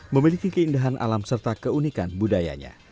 memiliki keindahan alam serta keunikan budayanya